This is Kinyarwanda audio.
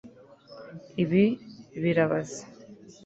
ibi birabaze